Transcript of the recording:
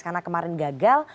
karena kemarin gagal